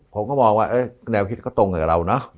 ผมก็มองว่าแนวคิดก็ตรงกับเราเนอะ